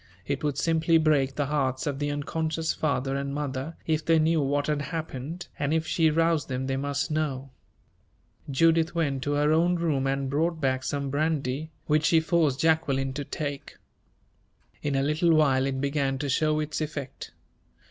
It would simply break the hearts of the unconscious father and mother if they knew what had happened, and if she roused them they must know. Judith went to her own room and brought back some brandy, which she forced Jacqueline to take. In a little while it began to show its effect.